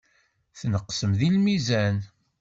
Tneqsem deg lmizan.